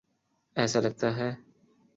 ایسا لگتا ہے۔